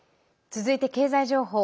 続いて経済情報。